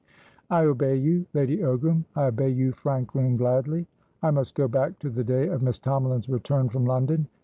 "I obey you, Lady Ogram; I obey you frankly and gladly. I must go back to the day of Miss Tomalin's return from London.